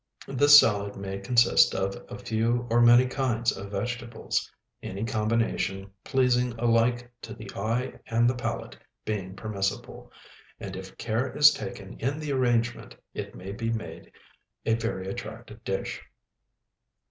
This salad may consist of a few or many kinds of vegetables, any combination pleasing alike to the eye and the palate being permissible, and if care is taken in the arrangement, it may be made a very attractive dish.